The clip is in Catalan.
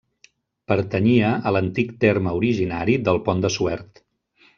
Pertanyia a l'antic terme originari del Pont de Suert.